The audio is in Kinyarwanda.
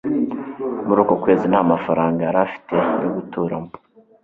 muri uko kwezi, nta mafaranga yari afite yo guturamo